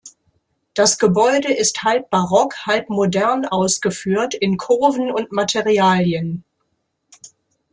Das Gebäude ist halb barock, halb modern ausgeführt, in Kurven und Materialien.